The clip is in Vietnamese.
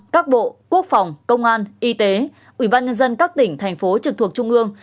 các bộ quốc phòng công an y tế ủy ban nhân dân các tỉnh thành phố trực thuộc trung ương